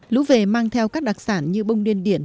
lũ về mang theo các đặc sản như bông điên điển